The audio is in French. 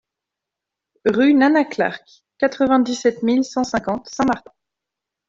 RUE NANA CLARK, quatre-vingt-dix-sept mille cent cinquante Saint Martin